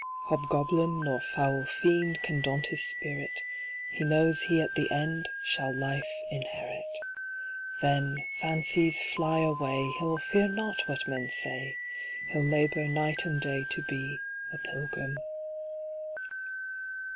"Hobgoblin nor foul fiend Can daunt his spirit; He knows he at the end Shall life inherit. Then, fancies fly away, He'll fear not what men say; He'll labor night and day To be a pilgrim."